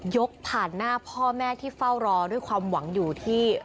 ผ่านหน้าพ่อแม่ที่เฝ้ารอด้วยความหวังอยู่ที่